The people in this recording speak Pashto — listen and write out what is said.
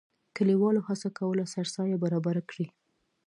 کلیوالو هڅه کوله سرسایه برابره کړي.